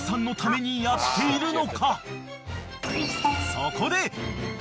［そこで］